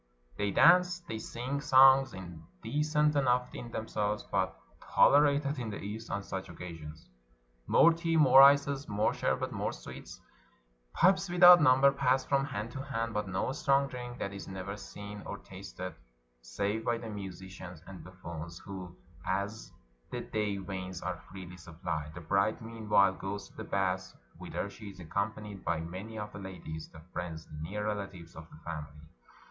They dance, they sing songs, indecent enough in themselves, but tolerated in the East on such occasions. More tea, more ices, more sherbet, more sweets. Pipes without number pass from hand to hand, but no strong drink; that is never seen or tasted, save by the musicians and buffoons, who as the day wanes are freely suppUed. The bride meanwhile goes to the bath, whither she is accompanied by many of the ladies, the friends and near relatives of the family.